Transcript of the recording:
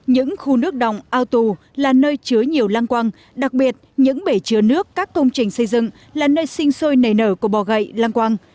những khu nước đọng ao tù là nơi chứa nhiều loang quang đặc biệt những bể chứa nước các công trình xây dựng là nơi sinh sôi nề nở của bò gậy loang quang